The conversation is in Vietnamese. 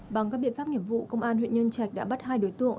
bằng các biện pháp nghiệp vụ công an huyện nhân trạch đã bắt hai đối tượng